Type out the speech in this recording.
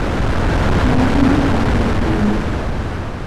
সারা জীবন স্বপ্নের ধারার মত।